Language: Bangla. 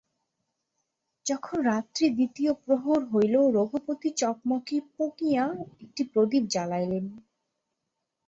যখন রাত্রি দ্বিতীয় প্রহর হইল, রঘুপতি চকমকি পুঁকিয়া একটি প্রদীপ জালাইলেন।